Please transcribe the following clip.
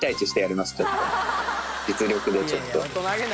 実力でちょっと。